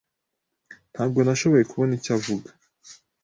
Ntabwo nashoboye kubona icyo avuga.